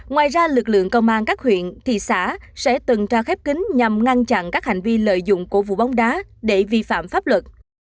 ngoài ra lực lượng công an các huyện thị xã sẽ tuần tra khép kín nhằm ngăn chặn các hành vi lợi dụng của vụ bóng đá để vi phạm pháp luật